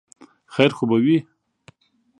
خیر خو به وي ؟